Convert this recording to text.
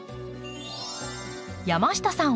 山下さん